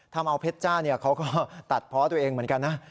ทำเอาเพชรจ้าเขาก็ตัดเพาะตัวเองเหมือนกันนะ